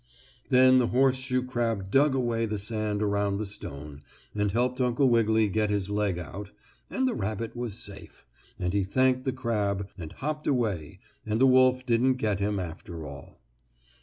Then the horseshoe crab dug away the sand around the stone, and helped Uncle Wiggily get his leg out, and the rabbit was safe, and he thanked the crab, and hopped away and the wolf didn't get him after all.